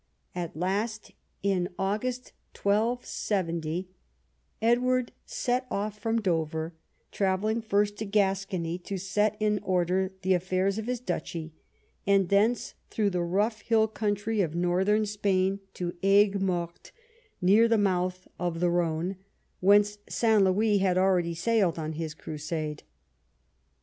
At last, in August 1270, Edward set off from Dover, travelling first to Gascony, to set in order the afTairs of his duchy, and thence through the rough hill country of Northern Spain to Aigues Mortes, near the mouth of the Rhone, whence St. Louis had already sailed on his Crusade.